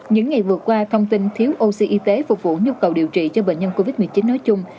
những ngày vừa qua thông tin thiếu oxy phục vụ nhu cầu điều trị cho bệnh nhân covid một mươi chín nói chung